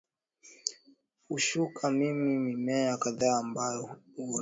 Pushuka ni Mimea kadhaa ambayo huota